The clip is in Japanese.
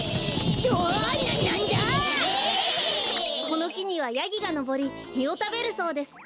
このきにはヤギがのぼりみをたべるそうです。